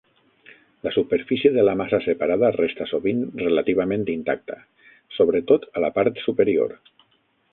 La superfície de la massa separada resta sovint relativament intacta, sobretot a la part superior.